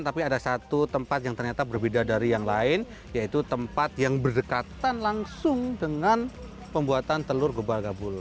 tapi ada satu tempat yang ternyata berbeda dari yang lain yaitu tempat yang berdekatan langsung dengan pembuatan telur gebal gabul